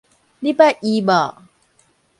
你捌伊無？